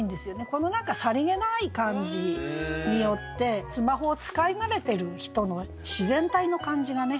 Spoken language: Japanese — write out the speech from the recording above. この何かさりげない感じによってスマホを使い慣れてる人の自然体の感じがね